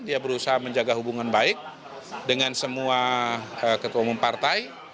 dia berusaha menjaga hubungan baik dengan semua ketua umum partai